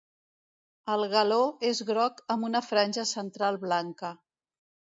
El galó és groc amb una franja central blanca.